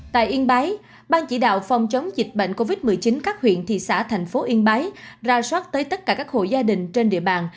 tại yên bái ban chỉ đạo phòng chống dịch bệnh covid một mươi chín các huyện thị xã thành phố yên bái ra soát tới tất cả các hộ gia đình trên địa bàn